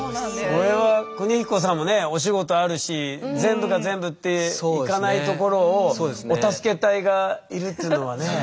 これは邦彦さんもねお仕事あるし全部が全部っていかないところをお助け隊がいるっていうのはね。